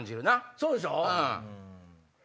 そうでしょ。